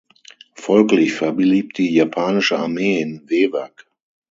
Folglich verblieb die japanische Armee in Wewak.